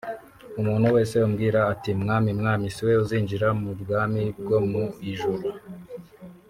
Umuntu wese umbwira ati ‘mwami mwami’ si we uzinjira mu bwami bwo mu ijuru